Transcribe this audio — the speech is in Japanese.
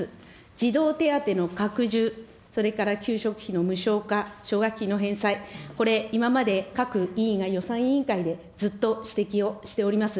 児童手当の拡充、それから給食費の無償化、奨学金の返済、これ今まで、各委員が、予算委員会でずっと指摘をしております。